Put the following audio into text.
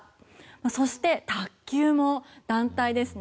そして、卓球も団体ですね。